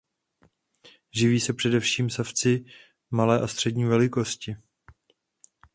Živí se především savci malé a střední velikosti.